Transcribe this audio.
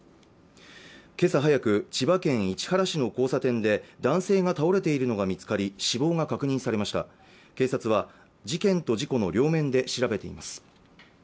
けさ早く千葉県市原市の交差点で男性が倒れているのが見つかり死亡が確認されました警察は事件と事故の両面で調べています